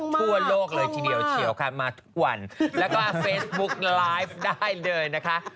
ทั่วโลกเลยทีเดียวเฉียวค่ะมาทุกวันแล้วก็เฟซบุ๊กไลฟ์ได้เลยนะคะ